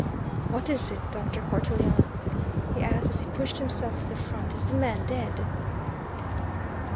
"What is it, Dr. Cortelyon?" he asked as he pushed himself to the front. "Is the man dead?"